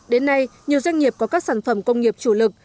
đến nay nhiều doanh nghiệp có các sản phẩm công nghiệp chủ lực